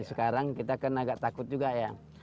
sekarang kita kan agak takut juga ya